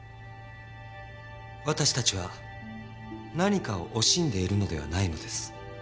私たちは何かを惜しんでいるのではないのです。